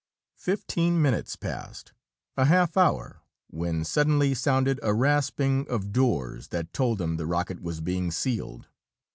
Fifteen minutes passed, a half hour, when suddenly sounded a rasping of doors that told them the rocket was being sealed.